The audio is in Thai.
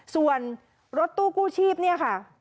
ส่วนรถตู้กู้ชีพเนี่ยค่ะ